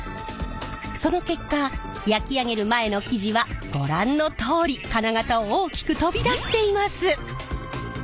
その結果焼き上げる前の生地はご覧のとおり金型を大きく飛び出しています！